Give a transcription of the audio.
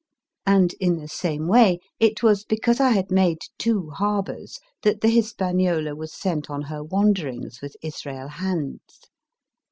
And in the same way, it was because I had made two harbours that the Hispaniola was sent on her wanderings ROBERT LOUIS STEVENSON 307 with Israel Hands.